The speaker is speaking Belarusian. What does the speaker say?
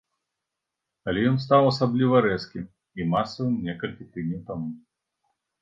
Але ён стаў асабліва рэзкім і масавым некалькі тыдняў таму.